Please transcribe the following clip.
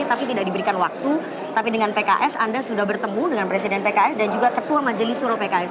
tapi tidak diberikan waktu tapi dengan pks anda sudah bertemu dengan presiden pks dan juga ketua majelis suro pks